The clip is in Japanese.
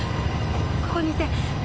ここにいて。